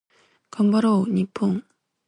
頑張ろう日本